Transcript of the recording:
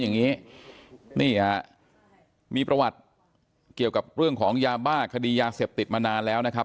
อย่างนี้นี่ฮะมีประวัติเกี่ยวกับเรื่องของยาบ้าคดียาเสพติดมานานแล้วนะครับ